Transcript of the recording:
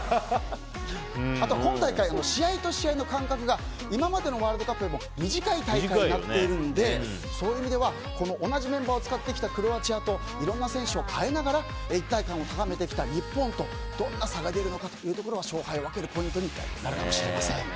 あとは今大会試合と試合の間隔が今までのワールドカップよりも短い大会になっているのでそういう意味では同じメンバーを使ってきたクロアチアといろんな選手を代えながら一体感を高めてきた日本とどんな差が出るのかというところは勝敗を分けるポイントになるかもしれません。